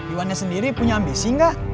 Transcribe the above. iwannya sendiri punya ambisi nggak